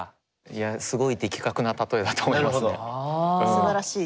すばらしい。